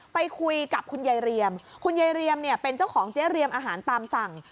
ไปคุยกับคุณยายเรียมคุณยายเรียมเนี่ยเป็นเจ้าของเจ๊เรียมอาหารตามสั่ง